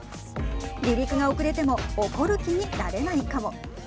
離陸が遅れても怒る気になれないかも。